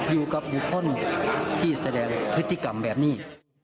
อยู่กับบุคคลที่แสดงพฤติกรรมแบบนี้